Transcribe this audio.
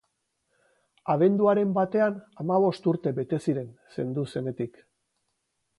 Abenduaren batean hamabost urte bete ziren zendu zenetik.